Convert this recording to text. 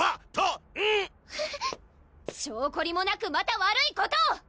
しょうこりもなくまた悪いことを！